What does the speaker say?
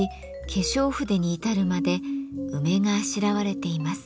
化粧筆に至るまで梅があしらわれています。